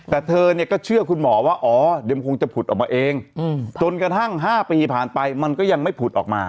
แต่เธอเนี่ยก็เชื่อคุณหมอว่าอ๋อเดี๋ยวมันคงจะผุดออกมาเองจนกระทั่ง๕ปีผ่านไปมันก็ยังไม่ผุดออกมา